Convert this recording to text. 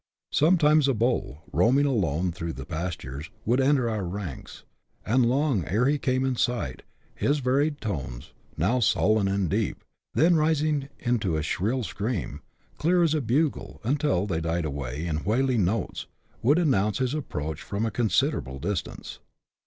Sometimes a bull, roam ing alone through the pastures, would enter oar ranks, and kM^ ere he came in aght, his varied tones, now soDen and deep, then ridi^ into a shriU scream, dear as a bugle, until tfaej ified avaj in wailing notes, would annoonoe his approach from a eonader able distance.